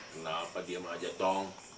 kenapa diam aja tong